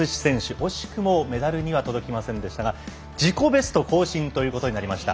惜しくもメダルには届きませんでしたが自己ベスト更新ということになりました。